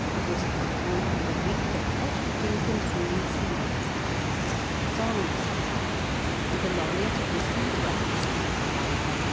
was crowned with a wreath of fresh pink and green seaweed. Songs were sung, and the laureate of the Sea Dwellers, a young M.